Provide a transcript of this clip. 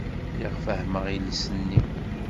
Lliɣ fehhmeɣ iles-nni.